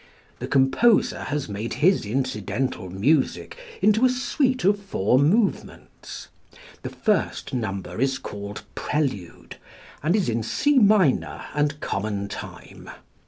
The composer has made his incidental music into a suite of four movements. The first number is called "Prelude," and is in C minor and common time.